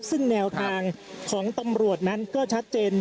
ซึ่งแนวทางของตำรวจนั้นก็ชัดเจน